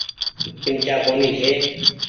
چمچآ ڪونيٚ ڇي۔